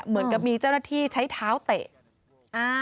เหมือนกับมีเจ้าหน้าที่ใช้เท้าเตะ